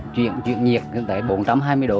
chuyển nhiệt tới bốn trăm hai mươi độ